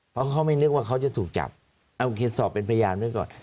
เพราะเขาไม่นึกว่าเขาจะถูกจับโอเคสอบเป็นพยานไว้ก่อน